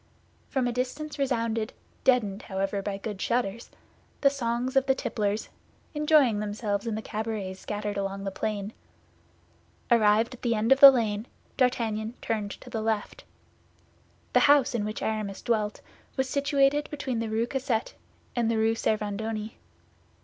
From a distance resounded, deadened, however, by good shutters, the songs of the tipplers, enjoying themselves in the cabarets scattered along the plain. Arrived at the end of the lane, D'Artagnan turned to the left. The house in which Aramis dwelt was situated between the Rue Cassette and the Rue Servandoni.